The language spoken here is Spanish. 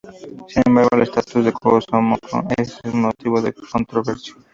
Sin embargo, el estatus de Kosovo es motivo de controversia.